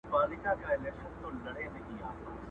لا به مي څونه ژړوي د عمر توري ورځي.!